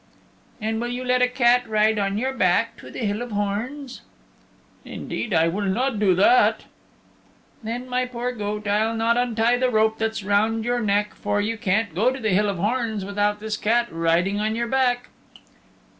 "And will you let a cat ride on your back to the Hill of Horns?" "Indeed, I will not do that." "Then, my poor goat, I'll not untie the rope that's round your neck, for you can't go to the Hill of Horns without this cat riding on your back."